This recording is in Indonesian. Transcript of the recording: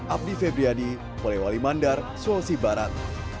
abdi febriyadi pelewali mandar suwosi barat